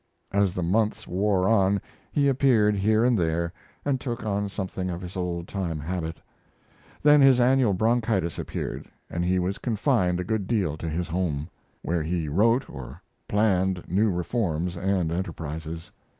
As the months wore on he appeared here and there, and took on something of his old time habit. Then his annual bronchitis appeared, and he was confined a good deal to his home, where he wrote or planned new reforms and enterprises.